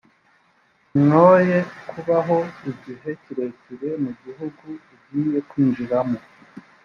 mwoye kubaho igihe kirekire mu gihugu ugiye kwinjiramo